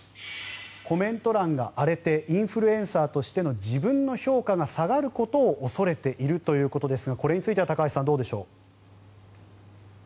コメント欄が荒れてインフルエンサーとしての自分の評価が下がることを恐れているということですがこれについては高橋さんどうでしょう。